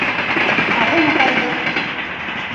Ҡағынып алды.